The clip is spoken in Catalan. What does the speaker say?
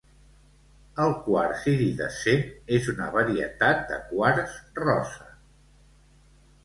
El "quars iridescent" és una varietat de quars rosa.